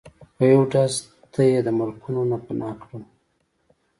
په یو ډز ته یی د ملکونو نه پناه کړل